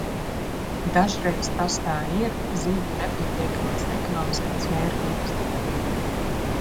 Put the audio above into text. Dažreiz tas tā ir zivju nepietiekamās ekonomiskās vērtības dēļ.